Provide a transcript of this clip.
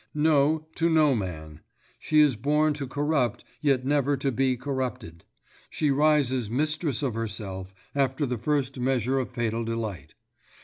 No, to no man. She is born to corrupt, yet never to be corrupted. She rises mistress of herself after the first measure of fatal delight.